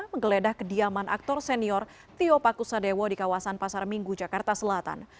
menggeledah kediaman aktor senior tio pakusadewo di kawasan pasar minggu jakarta selatan